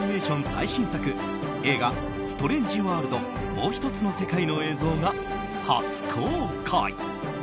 最新作映画「ストレンジ・ワールド／もうひとつの世界」の映像が初公開。